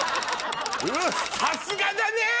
さすがだね！